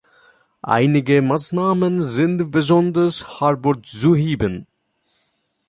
Einige Maßnahmen sind besonders hervorzuheben.